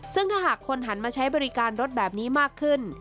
ซึ่งถ้าหากคนหันมาใช้บริการรถแบบนี้มากขึ้น